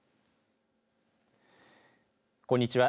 こんにちは。